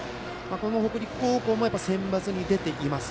この北陸高校もセンバツに出ています。